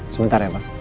sebentar ya pak